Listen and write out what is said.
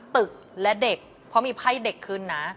เด็กและเด็กเพราะมีไพ่เด็กขึ้นนะ